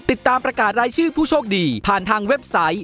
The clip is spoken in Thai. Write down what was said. ติดตามประกาศรายชื่อผู้โชคดีผ่านทางเว็บไซต์